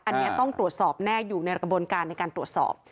อันนี้ต้องตรวจสอบแน่อยู่ในกระบวนการในการตรวจสอบ